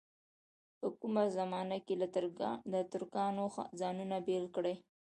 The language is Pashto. په کومه زمانه کې له ترکانو ځانونه بېل کړي.